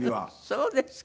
そうですか。